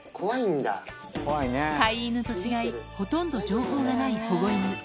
飼い犬と違い、ほとんど情報がない保護犬。